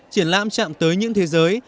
triển lãm chạm tới những thế giới